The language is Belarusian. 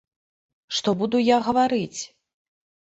Што буду я гаварыць?